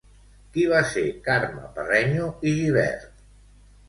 Qui va ser Carme Parreño i Gibert?